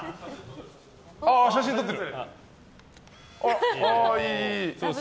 あ、写真撮ってる！